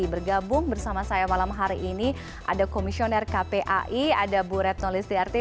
bergabung bersama saya malam hari ini ada komisioner kpai ada bu retno listiarti